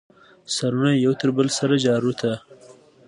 سرونه یې یو تر بله سره جارواته.